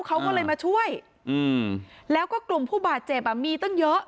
เขาก็เลยมาช่วยอืมแล้วก็กลุ่มผู้บาดเจ็บอ่ะมีตั้งเยอะ